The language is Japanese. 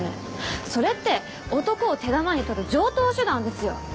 それって男を手玉に取る常套手段ですよ。